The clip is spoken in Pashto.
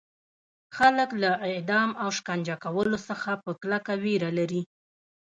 خلک له اعدام او شکنجه کولو څخه په کلکه ویره لري.